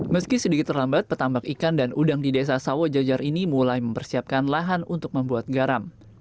meski sedikit terlambat petambak ikan dan udang di desa sawo jajar ini mulai mempersiapkan lahan untuk membuat garam